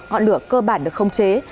ngọn lửa cơ bản được không chế